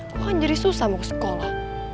gue anjir susah mau ke sekolah